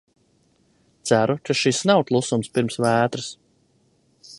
Ceru, ka šis nav klusums pirms vētras.